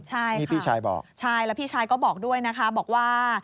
ใช่ค่ะใช่แล้วพี่ชายก็บอกด้วยนะครับบอกว่า